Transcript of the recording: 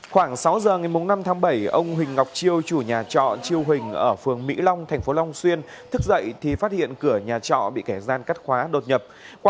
khoảng sáu giờ ngày năm tháng bảy ông huỳnh ngọc chiêu chủ nhà trọ chiêu huỳnh ở phường mỹ long thành phố long xuyên thức dậy thì phát hiện cửa nhà trọ bị kẻ gian cắt khóa đột nhập